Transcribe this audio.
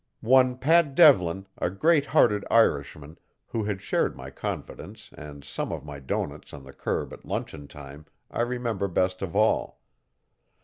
One Pat Devlin, a great hearted Irishman, who had shared my confidence and some of my doughnuts on the curb at luncheon time, I remember best of all.